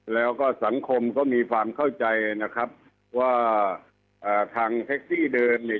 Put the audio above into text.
แล้วก็สังคมก็มีความเข้าใจนะครับว่าอ่าทางแท็กซี่เดิมเนี่ย